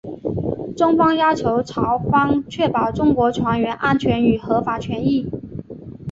中方要求朝方确保中国船员安全与合法权益。